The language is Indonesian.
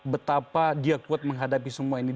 betapa dia kuat menghadapi semua ini